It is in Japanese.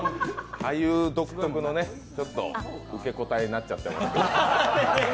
俳優独特の受け答えになっちゃってますね。